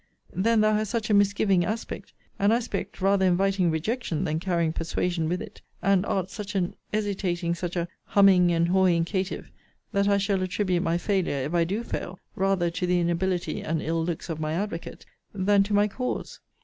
Then thou hast such a misgiving aspect, an aspect rather inviting rejection than carrying persuasion with it; and art such an hesitating, such a humming and hawing caitiff; that I shall attribute my failure, if I do fail, rather to the inability and ill looks of my advocate, than to my cause.